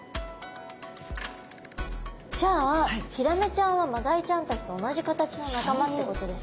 じゃあヒラメちゃんはマダイちゃんたちと同じ形の仲間ってことですか？